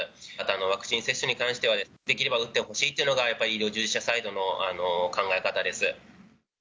ワクチン接種に関しては、できれば打ってほしいっていうのが、やっぱり医療従事者サイドの考え方です。